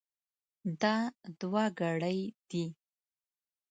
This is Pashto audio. دا دوه ګړۍ دي.